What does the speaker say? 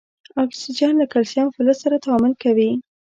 اکسیجن له کلسیم فلز سره تعامل کوي.